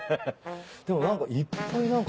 でも何かいっぱい何か。